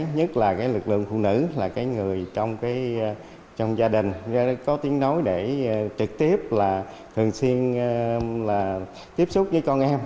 nhất là lực lượng phụ nữ là người trong gia đình có tiếng nói để trực tiếp thường xuyên tiếp xúc với con em